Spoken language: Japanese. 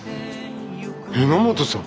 榎本さん！？